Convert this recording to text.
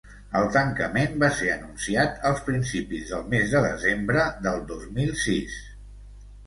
El tancament va ser anunciat als principis del mes de desembre del dos mil sis.